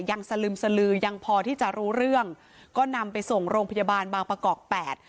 สลึมสลือยังพอที่จะรู้เรื่องก็นำไปส่งโรงพยาบาลบางประกอบแปด